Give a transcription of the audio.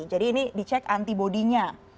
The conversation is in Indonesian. jadi ini dicek antibody nya